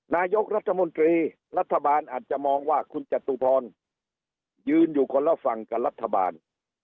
นายกรัฐมนตรีรัฐบาลอาจจะมองว่าคุณจตุพรยืนอยู่คนละฝั่งกับรัฐบาล